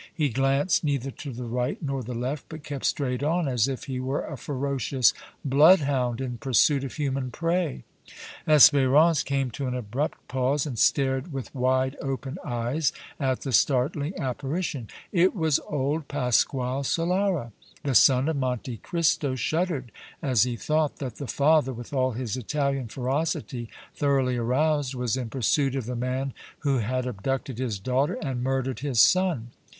He glanced neither to the right nor the left, but kept straight on, as if he were a ferocious bloodhound in pursuit of human prey. Espérance came to an abrupt pause, and stared with wide open eyes at the startling apparition. It was old Pasquale Solara! The son of Monte Cristo shuddered as he thought that the father, with all his Italian ferocity thoroughly aroused, was in pursuit of the man who had abducted his daughter and murdered his son.